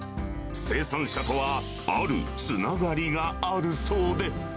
生産者とは、あるつながりがあるそうで。